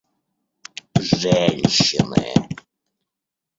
женщины